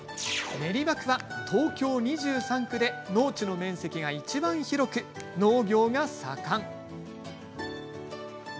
練馬区は東京２３区で農地の面積がいちばん広く農業が盛ん。